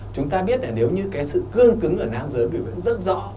chúng ta biết là nếu như cái sự cương cứng ở nam giới biểu biến rất rõ